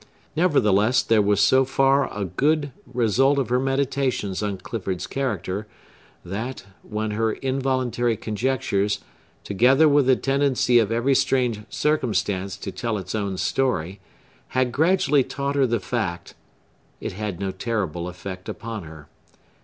Nevertheless, there was so far a good result of her meditations on Clifford's character, that, when her involuntary conjectures, together with the tendency of every strange circumstance to tell its own story, had gradually taught her the fact, it had no terrible effect upon her.